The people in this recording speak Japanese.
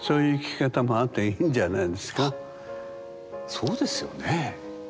そうですよね。